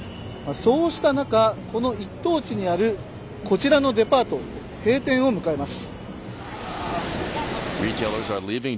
そうした中、この一等地にあるこちらのデパート、閉店を迎えます。